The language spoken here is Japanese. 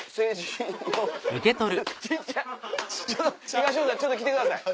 東野さんちょっと来てください。